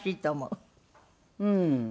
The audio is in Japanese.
うん。